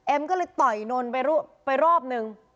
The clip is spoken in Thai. เอมก็เลยต่อยนนท์ไปรอบนึง